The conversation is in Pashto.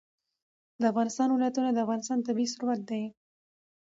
د افغانستان ولايتونه د افغانستان طبعي ثروت دی.